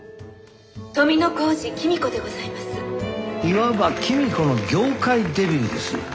いわば公子の業界デビューです。